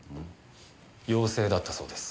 陽性だったそうです。